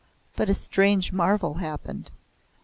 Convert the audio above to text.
But a strange marvel happened.